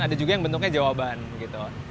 ada juga yang bentuknya jawaban gitu